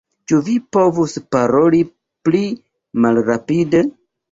Ĉu vi povus paroli pli malrapide?